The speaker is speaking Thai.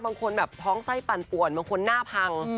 บางคนแบบท้องไส้ปั่นป่วนบางคนหน้าพัง